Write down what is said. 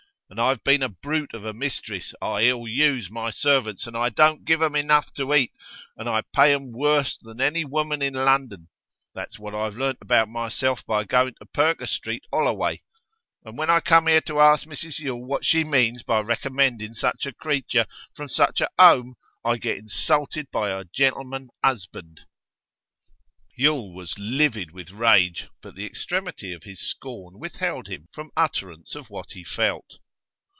And I've been a brute of a mistress; I ill use my servants, and I don't give 'em enough to eat, and I pay 'em worse than any woman in London! That's what I've learnt about myself by going to Perker Street, 'Olloway. And when I come here to ask Mrs Yule what she means by recommending such a creature, from such a 'ome, I get insulted by her gentleman husband.' Yule was livid with rage, but the extremity of his scorn withheld him from utterance of what he felt.